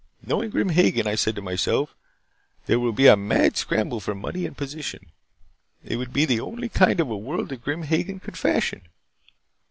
Knowing Grim Hagen, I said to myself, there will be a mad scramble for money and position. It would be the only kind of a world that Grim Hagen could fashion."